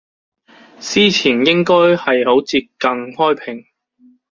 司前應該係好接近開平